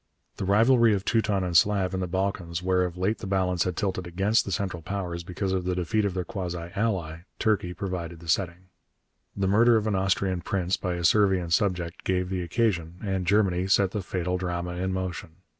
The rivalry of Teuton and Slav in the Balkans, where of late the balance had tilted against the Central Powers because of the defeat of their quasi ally, Turkey, provided the setting. The murder of an Austrian prince by a Servian subject gave the occasion, and Germany set the fatal drama in motion.